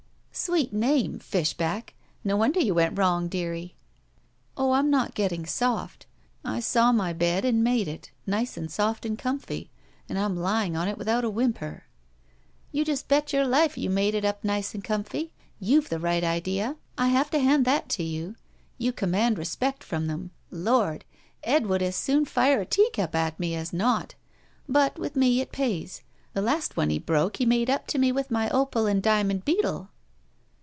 "Sweet name — 'Fishback.' No wonder you went wrong, dearie." "Oh, I'm not getting soft. I saw my bed and made it, nice and soft and comfy, and I'm lying on it without a whimper." "You just bet your life you made it up nice and comfy! You've the right idea; I have to hand that to you. You command respect from them. Lord! Ed would as soon fire a teacup at me as not. But, with me, it pays. The last one he broke he made up to me with my opal and diamond beetle."